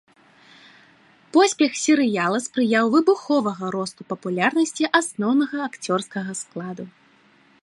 Поспех серыяла спрыяў выбуховага росту папулярнасці асноўнага акцёрскага складу.